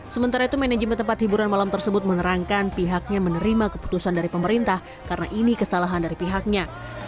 sementara itu manajemen tempat hiburan malam tersebut menerangkan pihaknya menerima keputusan dari pemerintah karena ini kesalahan dari pihaknya